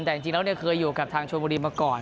แต่จริงแล้วเคยอยู่กับทางชนบุรีมาก่อน